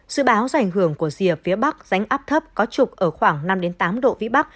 sự báo do ảnh hưởng của rìa phía bắc rãnh áp thấp có trục ở khoảng năm tám độ vĩ bắc